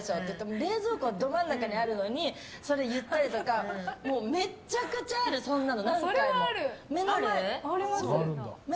冷蔵庫はど真ん中にあるのにそれ言ったりとかめちゃくちゃある、そんなの。